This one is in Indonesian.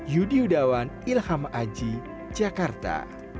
yudi yudawan ilham aji jakarta